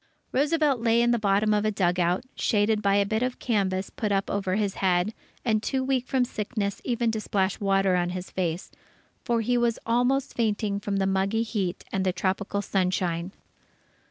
Roosevelt lay in the bottom of a dugout, shaded by a bit of canvas put up over his head, and too weak from sickness even to splash water on his face; for he was almost fainting from the muggy heat and the tropical sunshine.